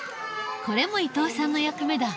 これも伊藤さんの役目だ。